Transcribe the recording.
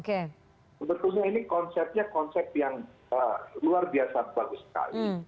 sebetulnya ini konsepnya konsep yang luar biasa bagus sekali